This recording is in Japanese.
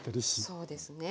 そうですね。